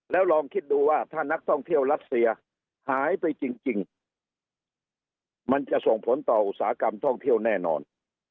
แล้วลองคิดดูว่าถ้านักท่องเที่ยวรัสเซียหายไปจริงมันจะส่งผลต่ออุตสาหกรรมท่องเที่ยวแน่นอน